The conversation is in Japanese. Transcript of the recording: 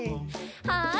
はい。